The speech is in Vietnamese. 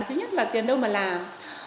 thứ nhất là tiền đâu mà làm